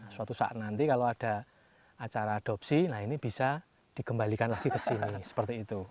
suatu saat nanti kalau ada acara adopsi nah ini bisa dikembalikan lagi ke sini seperti itu